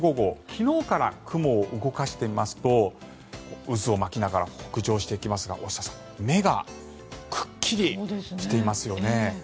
昨日から、雲を動かしてみますと渦を巻きながら北上していきますが大下さん目がくっきりしていますよね。